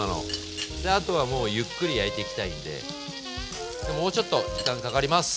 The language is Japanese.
あとはもうゆっくり焼いていきたいんでもうちょっと時間かかります。